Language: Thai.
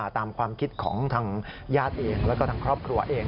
ตามความคิดของทางญาติเองแล้วก็ทางครอบครัวเอง